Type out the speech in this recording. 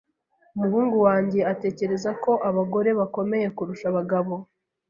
Umuhungu wanjye atekereza ko abagore bakomeye kurusha abagabo.